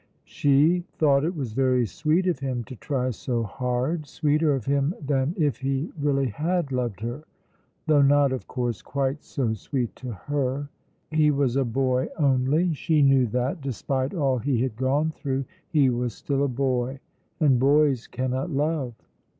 She thought it was very sweet of him to try so hard sweeter of him than if he really had loved her, though not, of course, quite so sweet to her. He was a boy only. She knew that, despite all he had gone through, he was still a boy. And boys cannot love.